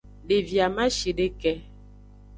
Devi amashideke.